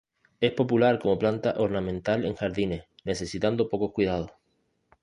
Es popular como planta ornamental en jardines, necesitando pocos cuidados.